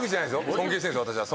尊敬してるんですよ私は。